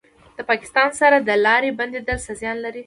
د پاکستان سره د لارې بندیدل څه زیان لري؟